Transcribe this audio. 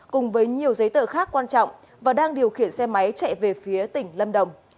cùng với nhiều giấy tờ khác quan trọng và đang điều khiển xe máy chạy về phía tỉnh lâm đồng